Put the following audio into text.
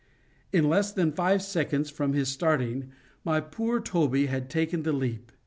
In less than five seconds from his starting, my poor Toby had taken the leap.